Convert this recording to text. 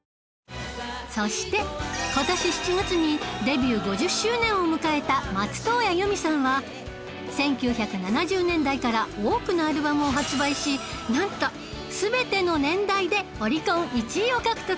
そして今年７月にデビュー５０周年を迎えた松任谷由実さんは１９７０年代から多くのアルバムを発売しなんと全ての年代でオリコン１位を獲得